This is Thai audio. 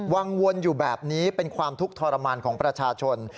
วนอยู่แบบนี้เป็นความทุกข์ทรมานของประชาชน